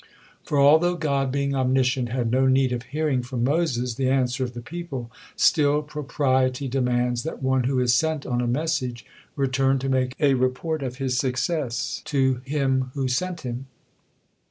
For although God, being omniscient, had no need of hearing from Moses the answer of the people, still propriety demands that one who is sent on a message return to make a report of his success to him who sent him.